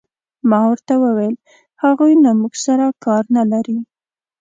ما ورته وویل: هغوی له موږ سره کار نه لري.